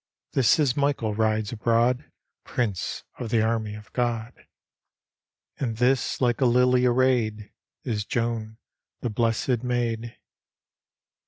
This is Michael rides abroad, Prince of the army of God, And this like a lily arrayed Is Joan, the blessed Maid.